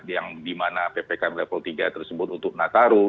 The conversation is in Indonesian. yang di mana ppkm level tiga tersebut untuk nataru